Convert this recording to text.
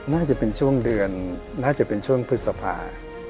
น่าจะเป็นช่วงเดือนน่าจะเป็นช่วงพฤษภา